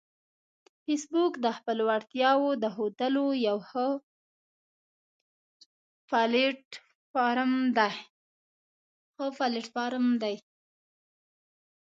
فېسبوک د خپلو وړتیاوو د ښودلو یو ښه پلیټ فارم دی